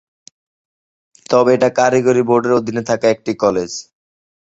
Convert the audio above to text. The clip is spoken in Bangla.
তবে এটা কারিগরি বোর্ডের অধীনে থাকা একটি কলেজ।